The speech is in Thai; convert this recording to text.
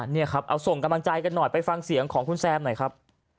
นี่ครับเอาส่งกำลังใจกันหน่อยไปฟังเสียงของคุณแซมหน่อยครับ